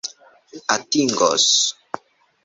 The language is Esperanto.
atingos